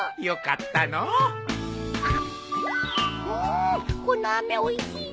このあめおいしいねえ